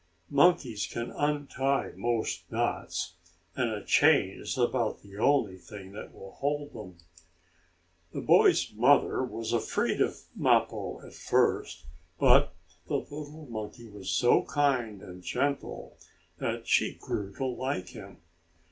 Monkeys can untie most knots, and a chain is about the only thing that will hold them. The boy's mother was afraid of Mappo at first, but the little monkey was so kind and gentle, that she grew to like him.